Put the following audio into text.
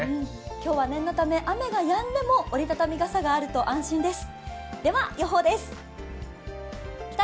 今日は念のため、雨がやんでも折り畳み傘があると安心です。